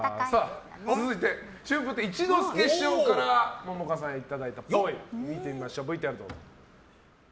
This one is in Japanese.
続いて、春風亭一之輔師匠から桃花さんにいただいたっぽいを見てみましょう。